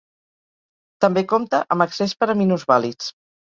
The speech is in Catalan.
També compta amb accés per a minusvàlids.